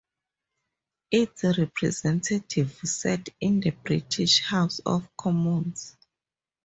Its representatives sat in the British House of Commons.